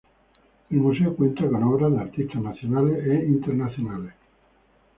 El museo cuenta con obras de artistas nacionales e internacionales.